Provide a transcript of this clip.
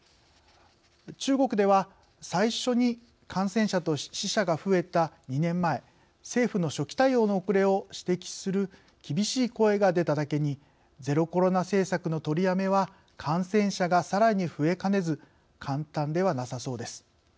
中国では、最初に感染者と死者が増えた２年前政府の初期対応の遅れを指摘する厳しい声が出ただけにゼロコロナ政策の取りやめは感染者がさらに増えかねず簡単ではなさそうです。